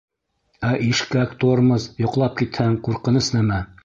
Ә ишкәк-тормоз, йоҡлап китһәң, ҡурҡыныс нәмә.